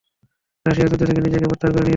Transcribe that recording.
Russia যুদ্ধ থেকে নিজেকে প্রত্যাহার করে নিয়েছে।